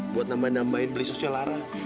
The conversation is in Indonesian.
buat nambah nambahin beli sosialara